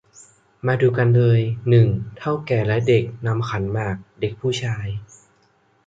มาดูกันเลย หนึ่ง เถ้าแก่และเด็กนำขันหมาก เด็กผู้ชาย